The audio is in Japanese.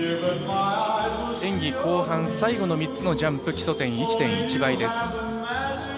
演技後半最後の３つのジャンプは基礎点１．１倍です。